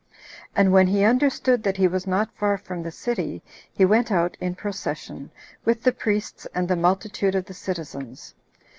5. And when he understood that he was not far from the city, he went out in procession, with the priests and the multitude of the citizens.